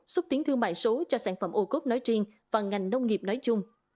xúc tiến thương mại số cho sản phẩm ô cốt nói riêng và ngành nông nghiệp nói chung